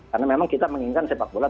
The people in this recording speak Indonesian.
karena memang kita menginginkan sepak bola